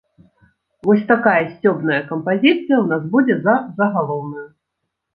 Вось такая сцёбная кампазіцыя ў нас будзе за загалоўную.